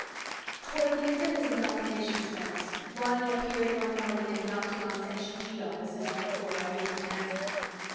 Toward the end of his indoctrination studies, Ronny appeared one morning at the Octagon Section G offices and before Irene Kasansky.